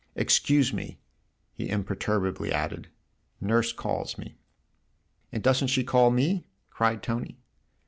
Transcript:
" Excuse me !" he im perturbably added. " Nurse calls me." "And doesn't she call me?" cried Tony.